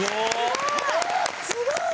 すごい！